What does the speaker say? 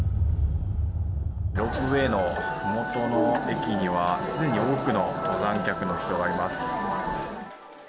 ロープウェーのふもとの駅にはすでに多くの登山客の人がいます。